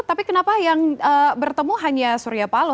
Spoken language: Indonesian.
tapi kenapa yang bertemu hanya surya paloh